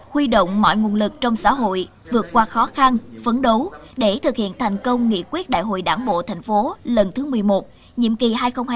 huy động mọi nguồn lực trong xã hội vượt qua khó khăn phấn đấu để thực hiện thành công nghị quyết đại hội đảng bộ thành phố lần thứ một mươi một nhiệm kỳ hai nghìn hai mươi hai nghìn hai mươi năm